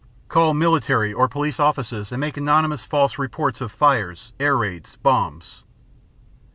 Call military or police offices and make anonymous false reports of fires, air raids, bombs.